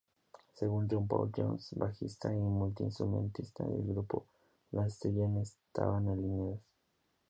Según John Paul Jones, bajista y multi-instrumentista del grupo, "las estrellas estaban alineadas".